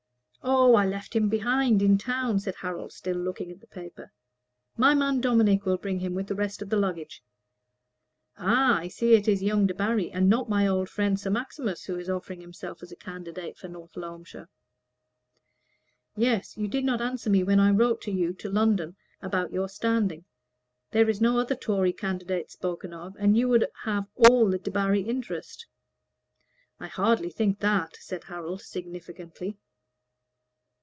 "Oh, I left him behind, in town," said Harold, still looking at the paper. "My man Dominic will bring him, with the rest of the luggage. Ah, I see it is young Debarry, and not my old friend Sir Maximus, who is offering himself as candidate for North Loamshire." "Yes. You did not answer me when I wrote to you to London about your standing. There is no other Tory candidate spoken of, and you would have all the Debarry interest." "I hardly think that," said Harold, significantly.